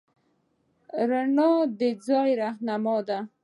رڼا د ځای رهنما ده.